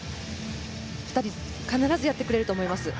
２人は必ずやってくれると思います。